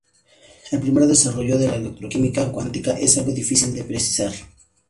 El primer desarrollo de la electroquímica cuántica es algo difícil de precisar.